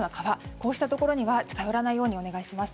こうしたところには近寄らないようにお願いします。